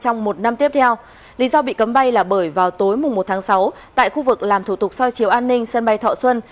trong một năm tiếp theo lý do bị cấm bay là bởi vào tối một tháng sáu tại khu vực làm thủ tục soi chiếu an ninh sân bay thọ xuân